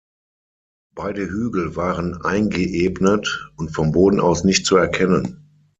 Beide Hügel waren eingeebnet und vom Boden aus nicht zu erkennen.